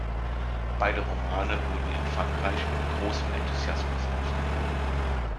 Beide Romane wurden in Frankreich mit großem "Enthusiasmus" aufgenommen.